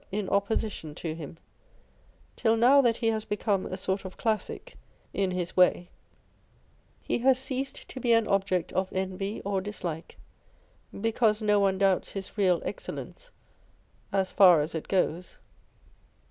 133 in opposition to him, till now that he has become a sort of classic in his way, he has ceased to be an object of envy or dislike, because no one doubts his real excellence, as far as it goes.